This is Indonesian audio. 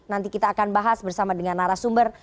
nanti kita akan bahas bersama dengan narasumber